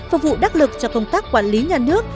phục vụ đắc lực cho công tác quản lý nhà nước